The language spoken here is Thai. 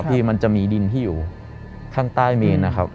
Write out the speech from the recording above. ที่มันจะมีดินที่อยู่ข้างใต้เมนนะครับ